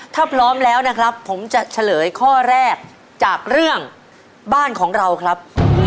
ถ้าพร้อมแล้วนะครับผมจะเฉลยข้อแรกจากเรื่องบ้านของเราครับ